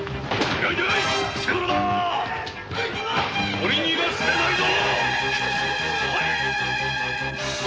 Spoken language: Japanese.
取り逃がすでないぞ！